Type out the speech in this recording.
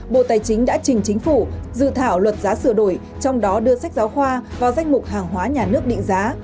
bộ tài chính đã trình chính phủ dự thảo luật giá sửa đổi trong đó đưa sách giáo khoa vào danh mục hàng hóa nhà nước định giá